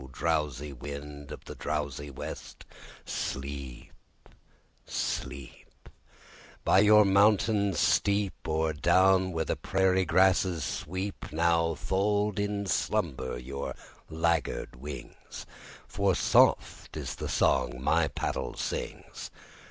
drowsy wind of the drowsy west, Sleep, sleep, By your mountain steep, Or down where the prairie grasses sweep! Now fold in slumber your laggard wings, For soft is the song my paddle sings.